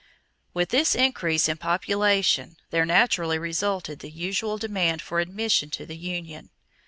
_ With this increase in population there naturally resulted the usual demand for admission to the union.